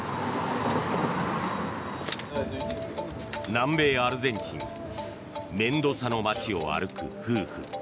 南米アルゼンチンメンドサの街を歩く夫婦。